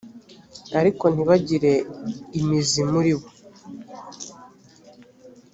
ariko ntibagire imizi muri bo